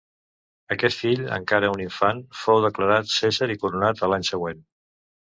Aquest fill, encara un infant, fou declarat cèsar i coronat a l'any següent.